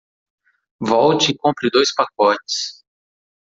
Volte e compre dois pacotes.